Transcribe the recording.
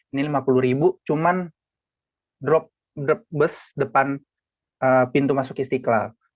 ini lima puluh ribu cuman drop bus depan pintu masuk istiqlal